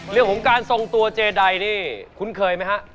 เรื่องของการทรงตัวเจใดนี่คุ้นเคยไหมฮะ